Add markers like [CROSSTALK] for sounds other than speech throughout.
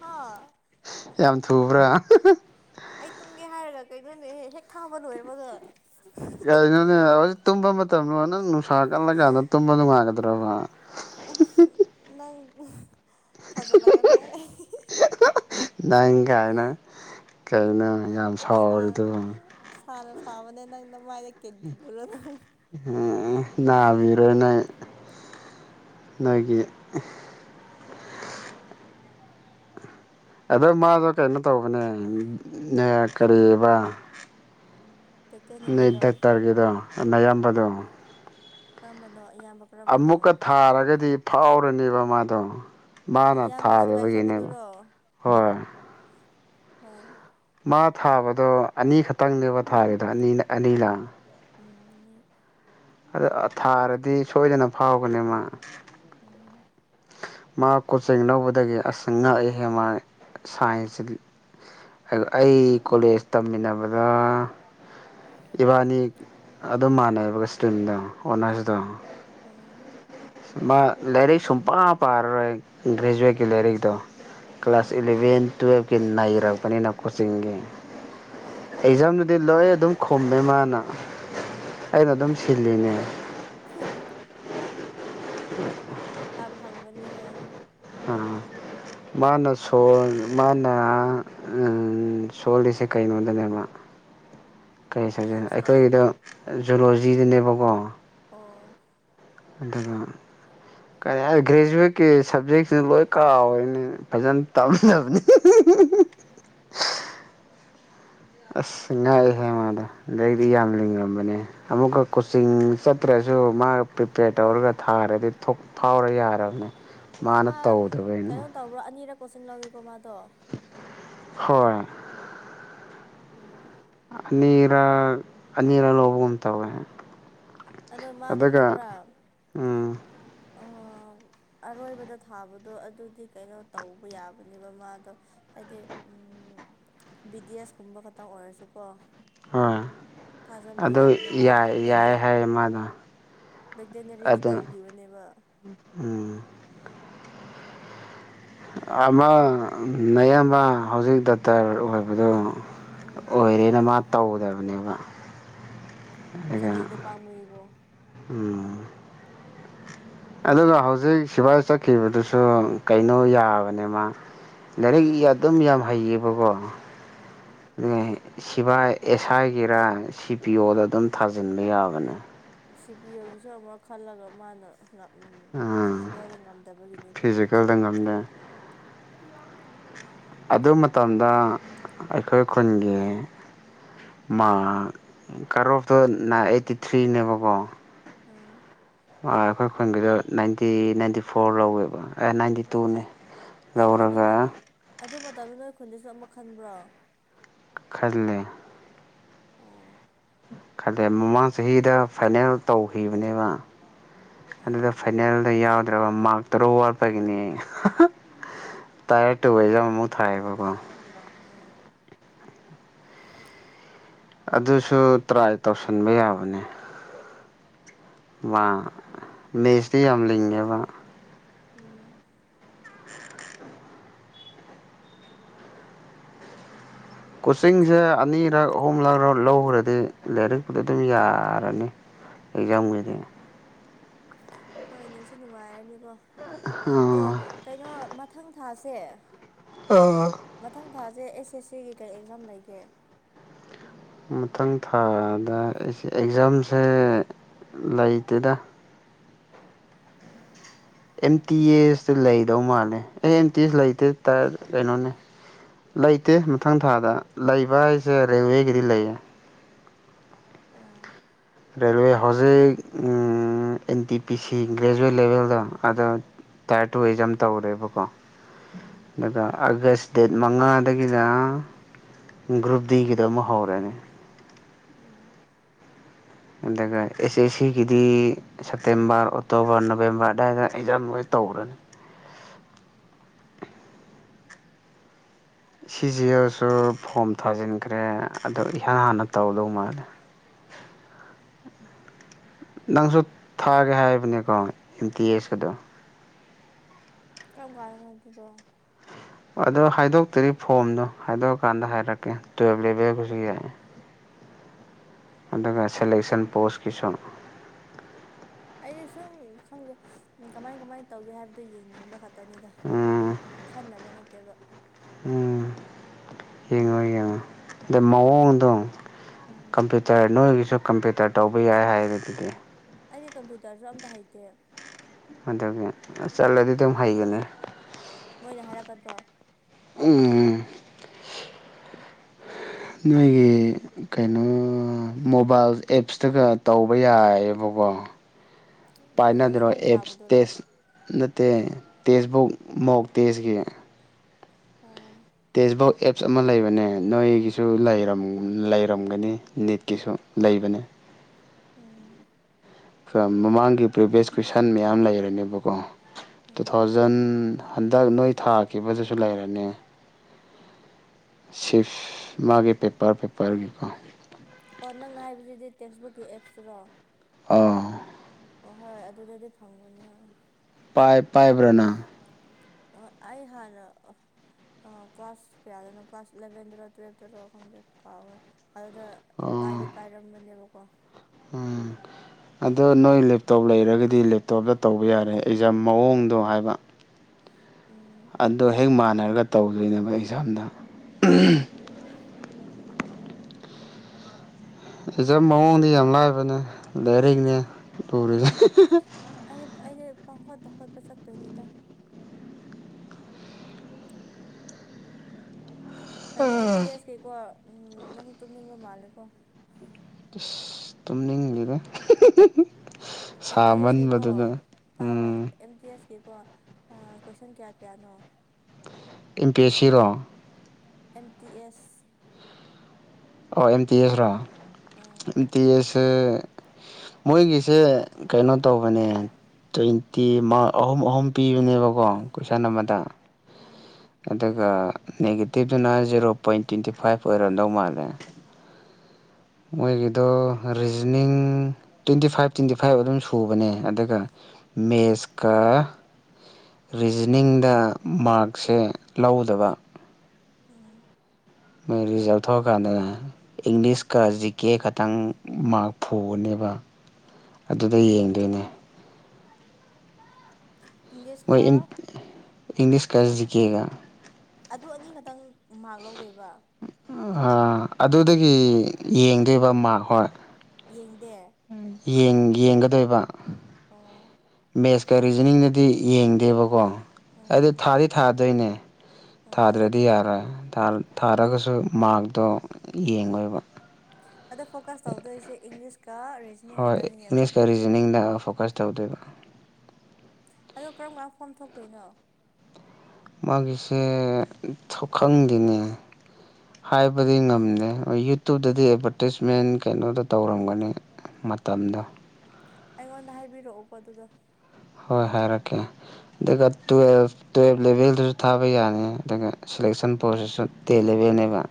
ꯍꯥ [UNINTELLIGIBLE] ꯌꯥꯝ ꯊꯨꯕ꯭ꯔꯥ ꯑꯩ ꯇꯨꯝꯒꯦ ꯍꯥꯏꯔꯒ ꯀꯩꯅꯣꯅꯦ ꯍꯦꯛ ꯊꯥꯕ ꯂꯣꯏꯕꯒ ꯀꯩꯅꯣꯅꯦ ꯍꯧꯖꯤꯛ ꯇꯨꯝꯕ ꯃꯇꯝꯔꯣ ꯅꯪ ꯅꯨꯡꯁꯥ ꯀꯜꯂꯀꯥꯟꯗ ꯇꯨꯝꯕ ꯅꯨꯡꯉꯥꯏꯒꯗ꯭ꯔꯕ ꯑꯁ ꯅꯪ ꯊꯖꯥꯂꯛꯀꯅꯦ [UNINTELLIGIBLE] ꯅꯪ ꯀꯥꯏꯅ ꯀꯩꯅꯣ ꯌꯥꯝ ꯁꯥꯔ ꯁꯥꯎꯔꯤꯗꯨꯕꯨ ꯁꯥꯅ ꯁꯥꯕꯅꯦ ꯅꯪ ꯅꯃꯥꯏꯗ ꯀꯤꯟ ꯊꯤꯜꯂꯨꯔꯅꯪ ꯑꯦ ꯅꯥꯕꯤꯔꯣꯏꯅꯦ ꯅꯣꯏꯒꯤ ꯑꯗꯣ ꯃꯥꯗꯣ ꯀꯩꯅꯣ ꯇꯧꯕꯅꯦ ꯅꯥ ꯀꯔꯤꯑꯦꯕ ꯅꯣꯏ ꯚꯦꯇꯅꯔꯤꯔꯣ ꯗꯥꯛꯇꯔꯒꯤꯗꯣ ꯅꯌꯥꯝꯕꯗꯣ ꯀꯔꯝꯕꯅꯣ ꯏꯌꯥꯝꯕꯝ ꯑꯃꯨꯛꯀ ꯊꯥꯔꯒꯗꯤ ꯐꯥꯎꯔꯅꯦꯕ ꯃꯥꯗꯣ ꯍꯣꯏ ꯃꯥꯅ ꯏꯌꯥꯝꯕ ꯁꯤꯕꯥꯏ ꯊꯥꯗꯕꯒꯤꯅꯦꯕ ꯆꯠꯄꯗꯨꯔꯣ ꯍꯣꯏ ꯍꯣꯏ ꯃꯥ ꯊꯥꯕꯗꯣ ꯑꯅꯤ ꯈꯛꯇꯪꯅꯦꯕ ꯊꯥꯔꯤꯗꯣ ꯑꯅꯤ ꯑꯅꯤꯔꯥ ꯎꯝ ꯑꯅꯤ ꯑꯗꯨ ꯊꯥꯔꯗꯤ ꯁꯣꯏꯗꯅ ꯐꯥꯎꯒꯅꯤ ꯃꯥ ꯑꯣ ꯃꯥ ꯀꯣꯆꯤꯡ ꯂꯧꯕꯗꯒꯤ ꯑꯁ ꯉꯛꯑꯦꯍꯦ ꯃꯥ ꯁꯥꯏꯟꯁꯁꯤꯗꯤ [UNINTELLIGIBLE] ꯑꯩ ꯀꯣꯂꯦꯖ ꯇꯝꯃꯤꯟꯅꯕꯗ ꯏꯕꯥꯟꯅꯤ ꯑꯗꯨꯝ ꯃꯥꯟꯅꯩꯌꯦꯕ ꯏꯁꯇ꯭ꯔꯤꯝꯗꯣ ꯑꯣꯅꯔꯁꯗꯣ ꯑ ꯃꯥ ꯂꯥꯏꯔꯤꯛ ꯁꯨꯡꯄꯥ ꯄꯥꯔꯔꯣꯏ ꯒ꯭ꯔꯦꯖ꯭ꯋꯦꯠꯀꯤ ꯂꯥꯏꯔꯤꯛꯇꯣ ꯀ꯭ꯂꯥꯁ ꯏꯂꯚꯦꯟ ꯇꯨꯌꯦꯞꯀꯤ ꯅꯩꯔꯛꯄꯅꯤꯅ ꯀꯣꯆꯤꯡꯒꯤ ꯎꯝ ꯑꯦꯛꯖꯥꯝꯗꯗꯤ ꯂꯣꯏ ꯑꯗꯨꯝ ꯈꯨꯝꯃꯦ ꯃꯥꯅ ꯑꯩꯅ ꯑꯗꯨꯝ ꯁꯤꯜꯂꯤꯅꯦ [INAUDIBLE] ꯇꯥꯝ ꯍꯪꯕꯅꯦ ꯍꯣꯏ ꯑ ꯃꯥꯅ ꯁꯣꯔ ꯃꯥꯅ ꯑ ꯁꯣꯜꯂꯤꯁꯦ ꯀꯩꯩꯅꯣꯗꯅꯦꯕ ꯀꯔꯤ ꯁꯞꯖꯦꯛꯅꯣ ꯐꯤꯖꯤꯛꯁꯇ ꯑꯩꯈꯣꯏꯒꯤꯗꯣ ꯖꯨꯂꯣꯖꯤꯗꯅꯦꯕꯀꯣ ꯑꯣ ꯑꯗꯨꯒ ꯀꯔꯤ ꯍꯥꯏ ꯒ꯭ꯔꯦꯖ꯭ꯋꯦꯠꯀꯤ ꯁꯞꯖꯦꯛꯁꯤꯡ ꯂꯣꯏ ꯀꯥꯎꯒ꯭ꯔꯦꯅꯦ ꯐꯖꯅ ꯇꯝꯗꯕꯅꯤ [UNINTELLIGIBLE] ꯑꯁ ꯉꯛꯏꯍꯦ ꯃꯥꯗꯣ ꯂꯥꯏꯔꯤꯛꯇꯤ ꯌꯥꯝ ꯂꯤꯡꯉꯝꯕꯅꯦ ꯑꯃꯨꯛꯀ ꯀꯣꯆꯤꯡ ꯆꯠꯇ꯭ꯔꯁꯨ ꯃꯥ ꯄ꯭ꯔꯤꯄꯤꯌꯔ ꯇꯧꯔꯒ ꯊꯥꯔꯗꯤ ꯊꯣꯛ ꯐꯥꯎꯔ ꯌꯥꯔꯝꯅꯦ ꯃꯥ ꯀꯩꯅꯣ ꯇꯧꯕ꯭ꯔꯣ ꯑꯅꯤꯔꯛ ꯀꯣꯆꯤꯡ ꯂꯧꯋꯤꯀꯣ ꯃꯥꯗꯣ ꯍꯣꯏ ꯎꯝ ꯑꯅꯤꯔꯛ ꯑꯅꯤꯔꯛ ꯂꯧꯕꯒꯨꯝ ꯇꯧꯋꯦ ꯑꯗꯣ ꯃꯥꯗꯣ ꯑꯗꯨꯒ ꯈꯪꯕ꯭ꯔ ꯎꯝ ꯑ ꯑꯔꯣꯏꯕꯗ ꯊꯥꯕꯗꯣ ꯑꯗꯨꯗꯤ ꯀꯩꯅꯣ ꯇꯧꯕ ꯌꯥꯕꯅꯦꯕ ꯃꯥꯗꯣ ꯍꯥꯏꯗꯤ ꯎꯝ ꯕꯤ ꯗꯤ ꯑꯦꯁ ꯀꯨꯝꯕ ꯈꯛꯇ ꯑꯣꯏꯔꯁꯨꯀꯣ ꯍꯣꯏ ꯊꯥꯖꯟꯕ ꯌꯥꯕꯅꯦ ꯃꯥꯅ ꯕꯦꯛꯇ ꯑꯦ ꯃꯥꯅ ꯕꯦꯇꯅꯔꯤꯒꯤ ꯇꯧꯒꯤꯕꯅꯦꯕ ꯎꯝ ꯑꯃ ꯅꯌꯥꯝꯕ ꯍꯧꯖꯤꯛ ꯗꯥꯛꯇꯔ ꯑꯣꯏꯕꯗꯣ ꯎꯝ ꯑꯣꯏꯔꯦꯅ ꯃꯥ ꯇꯧꯗꯞꯅꯦꯕ ꯆꯍꯤꯗꯣ ꯄꯥꯝꯃꯨꯏꯀꯣ ꯎꯝ ꯑꯗꯨꯒ ꯍꯧꯖꯤꯛ ꯁꯤꯕꯥꯏ ꯆꯠꯈꯤꯕꯗꯨꯁꯨ ꯀꯩꯅꯣ ꯌꯥꯕꯅꯦ ꯃꯥ ꯂꯥꯏꯔꯤꯛ ꯏ ꯑꯗꯨꯝ ꯌꯥꯝ ꯍꯩꯌꯦꯕꯀꯣ ꯎꯝ [UNINTELLIGIBLE] ꯁꯤꯕꯥꯏ ꯑꯦꯁꯥꯏꯒꯤꯔ ꯁꯤ ꯄꯤ ꯑꯣꯗꫭ ꯑꯗꯨꯝ ꯊꯥꯖꯟꯕ ꯌꯥꯕꯅꯦ ꯁꯤ ꯄꯤ ꯑꯣꯒꯤꯁꯨ ꯑꯃꯨꯛ ꯈꯜꯂꯒ ꯃꯥꯅ [UNINTELLIGIBLE] ꯎꯝ ꯐꯤꯖꯤꯀꯦꯜꯗ ꯉꯝꯗꯕꯒꯤꯅꯤꯀꯣ [UNINTELLIGIBLE] ꯉꯝꯗꯦ ꯑꯗꯨ ꯃꯇꯝꯗ ꯑꯩꯈꯣꯏ ꯈꯨꯟꯒꯤ ꯃꯥꯔꯛ ꯀꯠꯑꯣꯞꯇꯣ ꯅꯥꯏꯠ ꯑꯥꯏꯠꯇꯤ ꯊ꯭ꯔꯤꯅꯦꯕꯀꯣ ꯎꯝ ꯑ ꯑꯈꯣꯏ ꯈꯨꯟꯒꯤꯗꯣ ꯅꯥꯏꯟꯇꯤ ꯅꯥꯏꯟꯇꯤ ꯐꯣꯔ ꯂꯧꯋꯦꯕ ꯑꯦ ꯅꯥꯏꯟꯇꯤ ꯇꯨꯅꯦ ꯑꯣ ꯑꯗꯨꯃ ꯂꯧꯔꯒ ꯑꯗꯨ ꯃꯇꯝꯗꯣ ꯅꯣꯏ ꯈꯨꯟꯗꯁꯨ ꯑꯃ ꯈꯟꯕ꯭ꯔꯣ ꯈꯜꯂꯦ ꯑꯣ ꯈꯜꯂꯦ ꯃꯃꯥꯡ ꯆꯍꯤꯗ ꯐꯥꯏꯅꯦꯜ ꯇꯧꯈꯤꯕꯅꯦꯕ ꯑꯣ ꯑꯗꯨꯗ ꯐꯥꯏꯅꯦꯜꯗ ꯌꯥꯎꯗ꯭ꯔꯕ ꯃꯥꯛ ꯇꯔꯨꯛ ꯋꯥꯠꯄꯒꯤꯅꯦ [UNINTELLIGIBLE] ꯃꯨꯛ ꯊꯥꯥꯏꯌꯦꯕꯀꯣ ꯑꯣ ꯑꯗꯨꯁꯨ ꯇ꯭ꯔꯥꯏ ꯇꯧꯁꯟꯕ ꯌꯥꯕꯅꯦ ꯃꯥ ꯃꯦꯁꯇꯤ ꯌꯥꯝ ꯂꯤꯡꯉꯦ ꯃꯥ ꯎꯝ ꯀꯣꯆꯤꯡꯁꯦ ꯑꯅꯤꯔꯛ ꯑꯍꯨꯝꯂꯛ ꯔꯧ ꯂꯧꯔꯗꯤ ꯂꯥꯏꯔꯤꯛ [UNINTELLIGIBLE] ꯌꯥꯔꯅꯤ ꯑꯦꯛꯖꯥꯝꯒꯤꯗꯤ ꯍꯣꯏ ꯅꯨꯡꯁꯨ ꯅꯨꯡꯉꯥꯏꯔꯅꯤꯀꯣ ꯑꯦ ꯀꯩꯅꯣ ꯃꯊꯪ ꯊꯥꯁꯦ ꯑꯥ ꯃꯊꯪ ꯊꯥꯁꯦ ꯑꯦꯁ ꯑꯦꯁ ꯁꯤꯒꯤ ꯀꯩ ꯑꯦꯛꯖꯥꯝ ꯂꯩꯒꯦ ꯃꯊꯪ ꯊꯥꯗ ꯑꯦꯁ ꯑꯦꯛꯖꯥꯝꯁꯦ ꯂꯩꯇꯦꯗ ꯑꯦꯝ ꯇꯤ ꯑꯦꯁꯇ ꯂꯩꯗꯧ ꯃꯥꯂꯦ ꯑꯦ ꯑꯦꯝ ꯇꯤ ꯑꯦꯁ ꯂꯩꯇꯦ ꯇꯥ ꯀꯩꯅꯣꯅꯦ ꯂꯩꯇꯦ ꯃꯊꯪ ꯊꯥꯗ ꯂꯩꯕ ꯍꯥꯏꯁꯦ ꯔꯦꯜꯋꯦꯒꯤꯗꯤ ꯂꯩꯌꯦ ꯑꯣ ꯔꯦꯜꯋꯦ ꯍꯧꯖꯤꯛ ꯎꯝ ꯑꯦꯟ ꯇꯤ ꯄꯤ ꯁꯤ ꯒ꯭ꯔꯦꯖꯨꯋꯦꯠ ꯂꯦꯚꯦꯜꯗꯣ ꯑꯗꯨ ꯇꯥꯏꯞ ꯇꯨ ꯑꯦꯛꯖꯥꯝ ꯇꯧꯔꯦꯕꯀꯣ ꯎꯝ ꯑꯗ ꯑꯗꯨꯗ ꯁꯇꯦꯠ ꯃꯉꯥꯗꯒꯤꯅ ꯒ꯭ꯔꯨꯞ ꯗꯤꯒꯤꯗꯣ ꯑꯃꯨ ꯍꯧꯔꯅꯦ ꯎꯝ ꯑꯗꯨꯒ ꯑꯦꯁ ꯑꯦꯁ ꯁꯤꯒꯤꯗꯤ ꯁꯞꯇꯦꯝꯕꯔ ꯑꯣꯛꯇꯣꯕꯔ ꯅꯕꯦꯝꯕꯔ ꯑꯗ꯭ꯋꯥꯏꯗ ꯑꯦꯛꯖꯥꯝ ꯂꯣꯏ ꯇꯧꯈ꯭ꯔꯅꯤ ꯁꯤ ꯖꯤ ꯂꯦꯜꯁꯨ ꯐꯣꯝ ꯊꯥꯖꯤꯟꯈ꯭ꯔꯦ ꯑꯗꯣ ꯏꯍꯥꯟ ꯍꯥꯟꯅ ꯇꯧꯗꯧ ꯃꯥꯜꯂꯦ ꯅꯪꯁꯨ ꯊꯥꯒꯦ ꯍꯥꯏꯕꯅꯦꯀꯣ ꯑꯦꯝ ꯇꯤ ꯑꯦꯁꯀꯗꯣ ꯀꯔꯝ ꯀꯥꯟꯗꯅꯣ ꯑꯗꯨꯗꯣ ꯑꯗꯨ ꯍꯥꯏꯗꯣꯛꯇ꯭ꯔꯤ ꯐꯣꯝꯗꯣ ꯍꯥꯏꯗꯣꯛꯑꯀꯥꯟꯗ ꯍꯥꯏꯔꯛꯀꯦ ꯇꯨꯋꯦꯞ ꯂꯦꯚꯦꯜꯕꯨꯁꯨ ꯌꯥꯏ ꯑꯗꯨꯒ ꯁꯂꯦꯛꯁꯟ ꯄꯣꯁꯀꯤꯁꯨ ꯑꯩꯗꯤ ꯁꯨꯝ ꯈꯪꯗꯦ ꯀꯃꯥꯏ ꯀꯃꯥꯏ ꯇꯧꯒꯦ ꯍꯥꯏꯕꯗꯣ ꯌꯦꯡꯅꯤꯡꯕ ꯈꯠ ꯇꯅꯦꯗ ꯎꯝ ꯑꯣ ꯈꯟꯅꯕ ꯅꯠꯇꯦꯕ ꯎꯝ ꯌꯦꯡꯉꯣ ꯌꯦꯡꯉꯣ ꯗꯣ ꯃꯑꯣꯡꯗꯣ ꯎꯝ ꯀꯝꯄ꯭ꯌꯨꯇꯔ ꯅꯣꯏꯒꯤꯁꯨ ꯀꯝꯄ꯭ꯌꯨꯇꯔ ꯇꯧꯕ ꯌꯥꯏ ꯍꯥꯏꯔꯗꯨꯗꯤ ꯑꯩꯗꯤ ꯀꯝꯄ꯭ꯌꯨꯇꯔꯁꯨ ꯑꯝꯇ ꯍꯩꯇꯦ ꯑꯗꯨꯒꯤ ꯑꯥ ꯆꯠꯂꯗꯤ ꯗꯨꯝ ꯍꯩꯒꯅꯦ ꯃꯣꯏꯅ ꯍꯥꯏꯔꯛꯀꯗ꯭ꯔꯣ ꯎꯝ ꯎꯝ ꯅꯣꯏꯒꯤ ꯀꯩꯅꯣ ꯃꯣꯕꯥꯏꯜ ꯑꯦꯞꯁꯇꯒ ꯇꯧꯕ ꯌꯥꯌꯦꯕꯀꯣ ꯀꯩꯅꯣ ꯄꯥꯏꯅꯗ꯭ꯔꯣ ꯐꯣꯝ ꯑꯦꯞꯁ ꯊꯥꯕꯗꯨꯔꯣ ꯇꯦꯁ ꯅꯠꯇꯦ ꯇꯦꯖꯕꯨꯛ ꯃꯣꯛ ꯇꯦꯁꯒꯤ ꯑꯣ ꯇꯦꯁꯕꯨꯛ ꯑꯦꯞꯁ ꯑꯃꯥ ꯂꯩꯕꯅꯦ ꯅꯣꯏꯒꯤꯁꯨ ꯂꯩꯔꯝ ꯂꯩꯔꯝꯒꯅꯤ ꯅꯤꯠꯀꯤꯁꯨ ꯂꯩꯕꯅꯦ ꯑꯣ ꯐꯝ ꯃꯃꯥꯡꯒꯤ ꯄ꯭ꯔꯤꯚꯤꯌꯁ ꯀꯣꯏꯁꯟ ꯃꯌꯥꯝ ꯂꯩꯔꯅꯦꯕꯀꯣ ꯇꯨ ꯎꯝ ꯊꯥꯎꯖꯟ ꯍꯟꯗꯛ ꯅꯣꯏ ꯊꯥꯈꯤꯕꯗꯨꯁꯨ ꯂꯩꯔꯅꯤ ꯁꯤꯐ ꯃꯥꯒꯤ ꯄꯦꯄꯔ ꯄꯦꯄꯔꯒꯤꯀꯣ ꯑꯣ ꯅꯪ ꯍꯥꯏꯕꯁꯤꯗꯤ ꯇꯦꯛꯁꯕꯨꯛꯀꯤ ꯑꯦꯞꯁꯇꯨꯔꯣ ꯑꯥꯎ ꯑꯣꯍꯣꯏ ꯑꯗꯨꯗꯗꯤ ꯐꯪꯕꯅꯦ ꯍꯣꯏ ꯄꯥꯏ ꯄꯥꯏꯕ꯭ꯔꯥ ꯅꯥ ꯑꯥ ꯑꯩ ꯍꯥꯟꯅ ꯑꯥ ꯀ꯭ꯂꯥꯁ ꯀꯌꯥꯗꯅꯣ ꯀ꯭ꯂꯥꯁ ꯑꯦꯂꯚꯦꯟꯗꯔ ꯇꯨꯌꯦꯞꯇꯔ ꯈꯪꯗꯦ ꯀꯥꯎꯒ꯭ꯔꯦ ꯑꯗꯨꯗ ꯑꯣ ꯄꯥꯏꯗꯤ ꯄꯥꯏꯔꯝꯕꯅꯦꯕꯀꯣ ꯎꯝ ꯑꯗꯣ ꯅꯣꯏ ꯂꯦꯞꯇꯣꯞ ꯂꯩꯔꯒꯗꯤ ꯂꯦꯞꯇꯣꯞꯇ ꯇꯧꯕ ꯌꯥꯔꯦ ꯑꯦꯖꯥꯝ ꯃꯑꯣꯡꯗꯣ ꯍꯥꯏꯕ ꯎꯝ ꯑꯗꯣ ꯍꯦꯛ ꯃꯥꯟꯅꯔꯒ ꯇꯧꯗꯣꯏꯅꯦꯕ ꯑꯦꯛꯖꯥꯝꯗ [UNINTELLIGIBLE] ꯃꯑꯣꯡꯗꯤ ꯌꯥꯝ ꯂꯥꯏꯕꯅꯦ ꯂꯥꯏꯔꯤꯛꯅꯦ ꯇꯨꯔꯤꯖꯦ ꯑꯩ ꯑꯩꯗꯤ ꯄꯥꯡꯈꯣꯠꯇ ꯈꯣꯠꯄ ꯆꯠꯇꯨꯏꯅꯤꯗ ꯀꯩꯅꯣ ꯑꯦꯝ ꯇꯤ ꯑꯁ ꯑꯦꯁ ꯀꯤꯀꯣ ꯎꯝ ꯅꯪꯁꯨ ꯇꯨꯝꯅꯤꯡꯕ ꯃꯥꯜꯂꯦꯀꯣ ꯁꯤꯁ ꯇꯨꯝꯅꯤꯡꯂꯤꯔ ꯑꯦꯝ ꯇꯤ ꯑꯦꯁ ꯀꯤꯀꯣ ꯁꯥꯃꯟꯕꯗꯨꯗ ꯇꯥꯎꯑꯣ ꯎꯝ ꯑꯦꯝ ꯇꯤ ꯑꯦꯁꯀꯤꯀꯣ ꯑꯥ ꯀꯣꯏꯁꯟ ꯀ꯭ꯌꯥ ꯀ꯭ꯌꯥꯅꯣ ꯑꯦꯝ ꯄꯤ ꯑꯦꯁ ꯁꯤꯔꯣ ꯑꯦꯝ ꯇꯤ ꯑꯦꯁ ꯑꯣ ꯑꯦꯝ ꯇꯤ ꯑꯦꯁ ꯔꯣ ꯑꯥ ꯑꯦꯝ ꯇꯤ ꯑꯦꯁꯁꯦ ꯃꯣꯏꯒꯤꯁꯦ ꯀꯩꯅꯣ ꯇꯧꯕꯅꯦ ꯇꯣꯏꯟ [UNINTELLIGIBLE] ꯇꯤ ꯃꯥꯔꯛ ꯑꯍꯨꯝ ꯑꯍꯨꯝ ꯄꯤꯕꯅꯦꯕꯀꯣ ꯀꯣꯏꯁꯟ ꯑꯃꯗ ꯑꯥ [UNINTELLIGIBLE] ꯑꯗꯨꯒ ꯅꯦꯒꯦꯇꯤꯞꯇꯅ ꯖꯦꯔꯣ ꯄꯣꯏꯟ ꯇ꯭ꯋꯦꯟꯇꯤ ꯐꯥꯏꯚ ꯑꯣꯏꯔꯝꯗꯧ ꯃꯥꯜꯂꯦ ꯃꯣꯏꯒꯤꯗꯣ reasoning twenty five twenty five ꯑꯗꯨꯝ ꯁꯨꯕꯅꯦ ꯑꯗꯨꯒ ꯃꯦꯁꯀ ꯔꯤꯖꯅꯤꯡꯗ ꯃꯥꯔꯛꯁꯦ ꯂꯧꯒꯗꯕ ꯎꯝ ꯃꯣꯏ ꯔꯤꯖꯜ ꯊꯣꯛꯑꯀꯥꯟꯗ ꯏꯪꯂꯤꯁꯀ ꯖꯤ ꯀꯦ ꯈꯇꯪ ꯃꯥꯔꯛ ꯐꯨꯒꯅꯦꯕ ꯑꯗꯨꯗ ꯌꯦꯡꯗꯨꯏꯅꯦ ꯏꯪꯂꯤꯁꯀ ꯍꯣꯏ [UNINTELLIGIBLE] ꯏꯪꯂꯤꯁꯀ ꯖꯤꯀꯦꯒ ꯑꯗꯨ ꯑꯅꯤ ꯈꯛꯇꯪ ꯃꯥꯔꯛ ꯂꯧꯗꯨꯏꯕ ꯑꯥ ꯑꯗꯨꯗꯒꯤ ꯌꯦꯡꯗꯣꯏꯕ ꯃꯥꯔꯛ ꯍꯣꯏ ꯌꯦꯡꯗꯦ ꯎꯝ ꯌꯦꯡ ꯌꯦꯡꯒꯗꯣꯏꯕ ꯑꯣ ꯃꯦꯁ ꯀ ꯔꯤꯖꯅꯤꯡꯒꯗꯤ ꯌꯦꯡꯗꯦꯕꯀꯣ ꯑꯣ ꯑꯩꯗꯨ ꯊꯥꯗꯤ ꯊꯥꯗꯣꯏꯅꯦ ꯑꯣ ꯊꯥꯗ꯭ꯔꯗꯤ ꯌꯥꯔꯣꯏ ꯊꯥ ꯊꯥꯔꯒꯁꯨ ꯃꯥꯔꯛꯇꯣ ꯌꯦꯡꯉꯣꯏꯕ ꯑꯗꯣ ꯐꯣꯀꯁ ꯇꯧꯗꯨꯏꯁꯦ ꯏꯪꯂꯤꯁꯀ ꯔꯤꯖꯅꯤꯡ ꯍꯣꯏ ꯈꯛꯇꯅꯤꯅꯦꯀꯣ ꯏꯪꯂꯤꯁꯀ ꯔꯤꯖꯅꯤꯡꯗ ꯐꯣꯀꯁ ꯇꯧꯗꯣꯏꯕ ꯑꯗꯣ ꯀꯔꯝ ꯀꯥꯟ ꯐꯣꯝ ꯊꯣꯛꯇꯣꯏꯅꯣ ꯃꯥꯒꯤꯁꯦ ꯊꯣꯛ ꯈꯪꯗꯦꯅꯦ ꯍꯥꯏꯕꯗꯤ ꯉꯝꯗꯦ ꯍꯣꯏ ꯌꯨꯇꯨꯕꯇꯗꯤ ꯑꯦꯗꯚꯔꯇꯤꯁꯃꯦꯟ ꯀꯩꯅꯣꯗ ꯇꯧꯔꯝꯒꯅꯤ ꯃꯇꯝꯗꯣ ꯑꯩꯉꯣꯟꯗ ꯍꯥꯏꯕꯤꯔꯛꯑꯣꯀꯣ ꯑꯗꯨꯒ ꯍꯣꯏ ꯍꯥꯏꯔꯛꯀꯦ ꯑꯗꯨꯒ ꯇꯨꯌꯦꯜꯞ ꯇꯨꯌꯦꯜꯞ ꯂꯦꯚꯦꯜꯗ ꯊꯥꯕ ꯌꯥꯅꯤ ꯑꯗꯨꯒ ꯁꯦꯂꯦꯛꯁꯟ ꯄ꯭ꯔꯣꯁꯦꯁꯇ ꯇꯦꯟ ꯂꯦꯕꯦꯜꯅꯦꯕ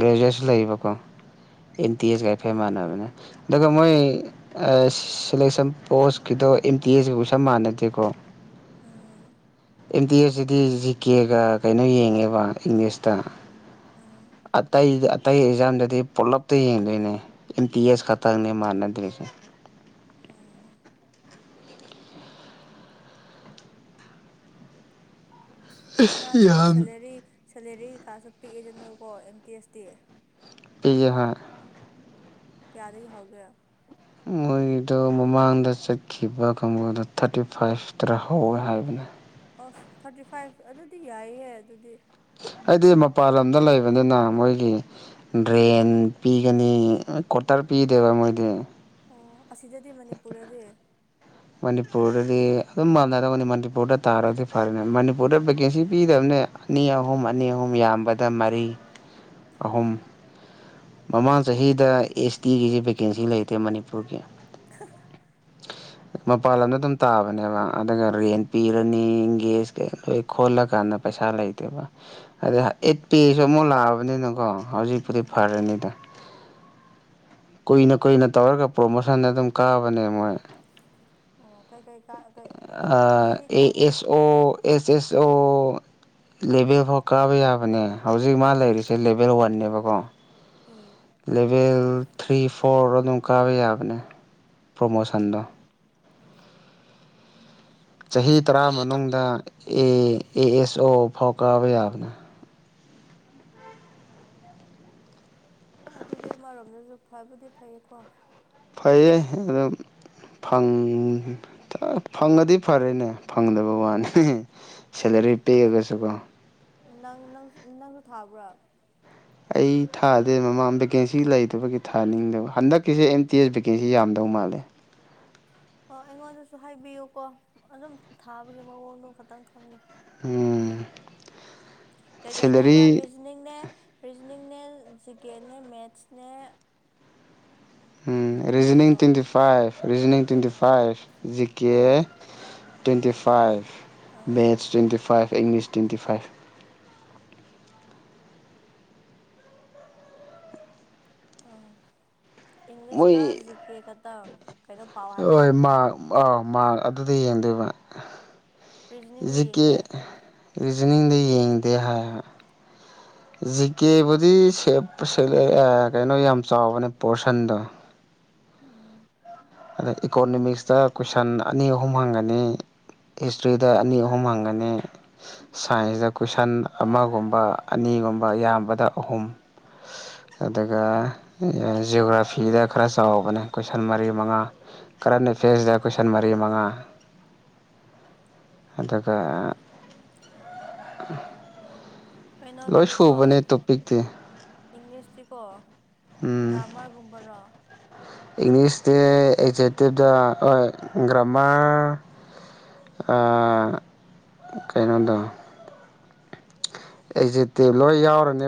ꯒ꯭ꯔꯦꯖꯨꯋ꯭ꯦꯠꯁꯨ ꯂꯩꯌꯦꯕꯀꯣ ꯑꯦꯟ ꯇꯤ ꯑꯦꯁꯒ ꯍꯥꯏꯐꯦꯠ ꯃꯥꯟꯅꯕꯅꯦ ꯑꯗꯨꯒ ꯃꯣꯏ ꯑꯥ ꯁꯦꯂꯦꯛꯁꯟ ꯄꯣꯁꯀꯤꯗꯣ ꯑꯦꯝ ꯇꯤ ꯑꯦꯁꯀ ꯀ꯭ꯋꯦꯁꯟ ꯃꯥꯟꯅꯗꯦꯀꯣ ꯑꯝ ꯑꯦꯝ ꯇꯤ ꯑꯦꯁꯇꯗꯤ ꯖꯤ ꯀꯦꯒ ꯀꯩꯅꯣ ꯌꯦꯡꯉꯦꯕ ꯏꯪꯂꯤꯁꯇ ꯑꯝ ꯑꯇꯩ ꯑꯇꯩ ꯑꯦꯛꯖꯥꯝꯗꯗꯤ ꯄꯨꯂꯞꯇ ꯌꯦꯡꯗꯨꯏꯅꯦ ꯑꯦꯝ ꯇꯤ ꯑꯦꯁ ꯈꯛꯇꯪꯅꯦ ꯃꯥꯟꯅꯗ꯭ꯔꯤꯁꯦ ꯎꯝ ꯃꯥꯒꯤ ꯌꯥꯝ ꯁꯦꯂꯦꯔꯤ ꯁꯦꯂꯦꯔꯤ ꯀꯩꯀꯥꯁꯨ ꯄꯤꯛꯏꯗꯅꯀꯣ ꯑꯦꯝ ꯇꯤ ꯑꯦꯁ ꯇꯤ ꯄꯤꯖꯦ ꯍꯣꯏ ꯀꯌꯥꯗꯒꯤ ꯍꯧꯒꯦ ꯃꯣꯏꯗꯣ ꯃꯃꯥꯡꯗ ꯆꯠꯈꯤꯕ ꯀꯥꯡꯕꯨꯗ ꯊꯥꯔꯇꯤ ꯐꯥꯏꯚꯇꯔꯥ ꯍꯧꯋꯦ ꯍꯥꯏꯕꯅꯦ ꯑꯁ ꯊꯥꯔꯇꯤ ꯐꯥꯏꯚ ꯑꯗꯨꯗꯤ ꯌꯥꯏꯌꯦ ꯑꯗꯨꯗꯤ ꯍꯥꯏꯗꯤ ꯃꯄꯥꯟ ꯂꯝꯗ ꯂꯩꯕꯅꯤꯅ ꯃꯣꯏꯗꯤ ꯗ꯭ꯔꯦꯟ ꯄꯤꯒꯅꯤ ꯀ꯭ꯋꯥꯇꯔ ꯄꯤꯗꯦꯕ ꯃꯣꯏꯗꯤ ꯑꯣ ꯑꯁꯤꯗꯗꯤ ꯃꯅꯤꯄꯨꯔꯗꯗꯤ ꯃꯅꯤꯄꯨꯔꯗꯗꯤ ꯑꯗꯨꯝ ꯃꯥꯟꯅꯗꯕꯅꯦ ꯃꯅꯤꯄꯨꯔꯗ ꯇꯥꯔꯗꯤ ꯐꯔꯦꯅꯦ ꯃꯅꯤꯄꯨꯔꯗ ꯚꯦꯀꯦꯁꯥꯟ ꯄꯤꯗꯕꯅꯦ ꯑꯅꯤ ꯑꯍꯨꯝ ꯑꯅꯤ ꯑꯍꯨꯝ ꯌꯥꯝꯕꯗ ꯃꯔꯤ ꯑꯍꯨꯝ ꯃꯃꯥꯡ ꯆꯍꯤꯗ ꯑꯦꯁ ꯇꯤꯒꯤꯁꯤ ꯚꯦꯀꯦꯟꯁꯤ ꯂꯩꯇꯦ ꯃꯅꯤꯄꯨꯔꯒꯤ [UNINTELLIGIBLE] [INAUDIBLE] ꯃꯄꯥꯟ ꯂꯝꯗ ꯑꯗꯨꯝ ꯇꯥꯕꯅꯦꯕ ꯑꯗꯨꯒ ꯔꯦꯟ ꯄꯤꯔꯅꯤ ꯏꯪꯒꯦꯁ ꯀꯩ ꯂꯣꯏ ꯈꯣꯜꯂꯀꯥꯟꯗ ꯄꯩꯁꯥ ꯂꯩ ꯀꯩꯕ ꯑꯗꯩ ꯑꯦꯠ ꯄꯦꯁꯨ ꯑꯃꯨꯛ ꯂꯥꯛꯑꯕꯅꯤꯅꯀꯣ ꯍꯧꯖꯤꯛꯄꯨꯗꯤ ꯎꯝ ꯐꯔꯅꯤꯗ ꯀꯨꯏꯅ ꯀꯨꯏꯅ ꯇꯧꯔꯒ ꯄ꯭ꯔꯣꯃꯣꯁꯟ ꯑꯗꯨꯝ ꯀꯥꯕꯅꯦ ꯃꯣꯏ ꯑꯣ ꯀꯩ ꯀꯩ ꯀꯥ ꯀꯩ ꯆꯍꯤ ꯑꯦ ꯀꯌꯥꯃꯨꯛ ꯑꯦꯁ ꯑꯣ ꯑꯦꯁ ꯑꯦꯁ ꯑꯣ ꯂꯦꯚꯦꯜ ꯐꯣꯎ ꯀꯥꯕ ꯌꯥꯕꯅꯦ ꯍꯧꯖꯤꯛ ꯃꯥ ꯂꯩꯔꯤꯁꯦ ꯂꯦꯚꯦꯜ ꯋꯥꯟꯅꯦꯕꯀꯣ ꯑꯥ ꯂꯦꯚꯦꯜ ꯊ꯭ꯔꯤ ꯐꯣꯔ ꯑꯗꯨꯝ ꯀꯥꯕ ꯌꯥꯕꯅꯦ ꯄ꯭ꯔꯣꯃꯣꯁꯟꯗꯣ ꯎꯝ ꯆꯍꯤ ꯇꯔꯥ ꯃꯅꯨꯡꯗ ꯑꯦ ꯑꯦ ꯑꯦꯁ ꯑꯣ ꯐꯥꯎ ꯀꯥꯕ ꯌꯥꯕꯅꯦ ꯑꯣ ꯑꯗꯨꯗꯤ ꯑꯃꯔꯣꯝꯗꯖꯨ ꯐꯕꯨꯗꯤ ꯐꯩꯌꯦꯀꯣ ꯐꯩꯌꯦ ꯑꯗꯨꯝ ꯐꯪ ꯐꯪꯉꯗꯤ ꯐꯔꯦꯅꯦ ꯐꯪꯗꯕ ꯋꯥꯅꯤ ꯁꯦꯂꯔꯤ ꯄꯤꯛꯑꯒꯁꯨꯀꯣ ꯅꯪ ꯅꯪꯁꯨ ꯅꯪꯁꯨ ꯊꯥꯕ꯭ꯔꯥ ꯑꯩ ꯊꯥꯗꯦ ꯃꯃꯥꯡ ꯚꯦꯀꯦꯟꯁꯤ ꯂꯩꯇꯕꯒꯤ ꯊꯥꯅꯤꯡꯗꯕ ꯍꯟꯗꯛꯀꯤꯁꯦ ꯑꯦꯝ ꯇꯤ ꯑꯦꯁ ꯚꯦꯀꯦꯟꯁꯤ ꯌꯥꯝꯗꯧ ꯃꯥꯜꯂꯦ ꯑꯣ ꯑꯩꯉꯣꯟꯗꯁꯨ ꯍꯥꯏꯕꯤꯌꯨꯀꯣ ꯑꯗꯨꯝ ꯊꯥꯕꯒꯤ ꯃꯑꯣꯡꯗꯣ ꯈꯇꯪ ꯈꯪꯒꯦ ꯎꯝ ꯀꯩꯀꯩꯅꯦ ꯍꯥꯏꯕ ꯁꯦꯂꯔꯤ ꯔꯤꯖꯅꯤꯡꯅꯦ ꯔꯤꯖꯅꯤꯡꯅꯦ ꯖꯤꯀꯦꯅꯦ ꯃꯦꯠꯁꯅꯦ ꯎꯝ ꯀꯩ ꯔꯤꯖꯅꯤꯡ ꯀꯩꯅꯣ twenty five reasoning twenty five G K ꯑꯥ ꯇ꯭ꯋꯦꯟꯇꯤ ꯐꯥꯏꯚ ꯑꯥ maths twenty five English twenty five ꯑꯧ ꯏꯪꯂꯤꯁ ꯀ ꯃꯣꯏ ꯖꯤ ꯀꯦ ꯈꯥꯇꯪ ꯍꯣꯏ ꯃꯥ ꯑꯥꯎ ꯃꯥ ꯑꯗꯨꯗ ꯌꯦꯡꯗꯣꯏꯕ ꯔꯤꯖꯅꯤꯡꯗꯤ ꯖꯤ ꯀꯦ ꯌꯦꯡꯗꯦ ꯔꯤꯖꯅꯤꯡꯗ ꯌꯦꯡꯗꯦ ꯍꯥꯏ ꯖꯤ ꯀꯦꯕꯨꯗꯤ ꯁꯦꯞ ꯁꯦꯜ ꯑꯥ ꯀꯩꯅꯣ ꯌꯥꯝ ꯆꯥꯎꯕꯅꯦ ꯄꯣꯔꯁꯟꯗꯣ ꯎꯝ ꯑꯗ ꯏꯀꯣꯅꯣꯃꯤꯛꯁꯇ ꯀꯣꯏꯁꯟ ꯑꯅꯤ ꯑꯍꯨꯝ ꯍꯪꯒꯅꯤ ꯍꯤꯁꯇ꯭ꯔꯤꯗ ꯑꯅꯤ ꯑꯍꯨꯝ ꯍꯪꯉꯅꯤ ꯁꯥꯏꯟꯁꯇ ꯀꯣꯏꯁꯟ ꯑꯃꯒꯨꯝꯕ ꯑꯅꯤꯒꯨꯝꯕ ꯌꯥꯝꯕꯗ ꯑꯍꯨꯝ ꯑꯗꯨꯒ ꯖꯤꯑꯣꯒ꯭ꯔꯥꯐꯤꯗ ꯈꯔ ꯆꯥꯎꯕꯅꯦ ꯀꯣꯏꯁꯟ ꯃꯔꯤ ꯃꯉꯥ ꯀꯔꯦꯟ ꯑꯦꯐꯤꯌꯔꯁ ꯗ ꯀ꯭ꯣꯏꯁꯟ ꯃꯔꯤ ꯃꯉꯥ ꯑꯗꯨꯒ ꯂꯣꯏ ꯀꯩꯅꯣꯒꯤꯀꯣ ꯁꯨꯕꯅꯦ ꯇꯣꯄꯤꯛꯇꯤ ꯏꯪꯂꯤꯁꯇꯤꯀꯣ ꯎꯝ ꯒ꯭ꯔꯃꯥꯔꯒꯨꯝꯕꯔꯣ ꯏꯪꯂꯤꯁꯇꯤ ꯑꯦꯛꯖꯦꯇꯤꯞꯇ ꯍꯣꯏ ꯒ꯭ꯔꯥꯃꯔ ꯑꯥ ꯀꯩꯅꯣꯗꯣ ꯑꯦꯛꯖꯦꯛꯇꯤꯞ ꯂꯣꯏ ꯌꯥꯎꯔꯅꯤ